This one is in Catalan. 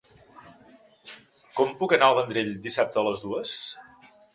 Com puc anar al Vendrell dissabte a les dues?